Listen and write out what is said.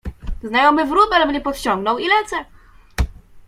Znajomy wróbel mnie podciągnął i lecę.